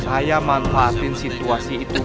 saya manfaatin situasi itu